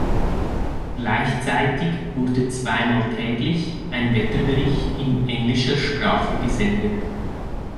Gleichzeitig wurde zweimal täglich ein Wetterbericht in englischer Sprache gesendet.